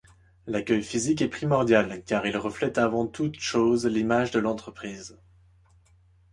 L'accueil physique est primordial car il reflète avant toutes choses l’image de l’entreprise.